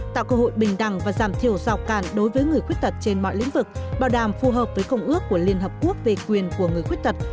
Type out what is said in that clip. tạo cơ hội bình đẳng và giảm thiểu rào cản đối với người khuyết tật trên mọi lĩnh vực bảo đảm phù hợp với công ước của liên hợp quốc về quyền của người khuyết tật